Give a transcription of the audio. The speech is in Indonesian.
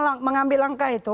kami mengambil langkah itu